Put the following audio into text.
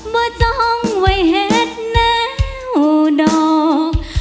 มาจ้องไว้เห็นแนวดอก